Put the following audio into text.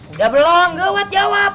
udah belum ngo wat jawab